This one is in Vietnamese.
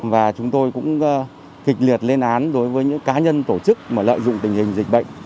và chúng tôi cũng kịch liệt lên án đối với những cá nhân tổ chức lợi dụng tình hình dịch bệnh